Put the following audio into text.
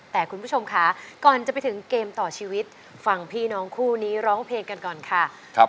แต่คุณผู้ชมค่ะก่อนจะไปถึงเกมต่อชีวิตฟังพี่น้องคู่นี้ร้องเพลงกันก่อนค่ะ